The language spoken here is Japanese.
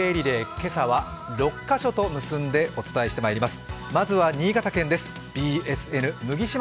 今朝は６カ所と結んでお伝えしてまいります。